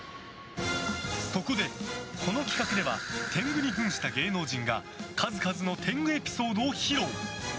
そこで、この企画では天狗にふんした芸能人が数々の天狗エピソードを披露。